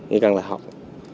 nhưng khi đưa về trụ sở công an